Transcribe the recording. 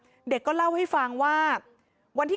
พอครูผู้ชายออกมาช่วยพอครูผู้ชายออกมาช่วย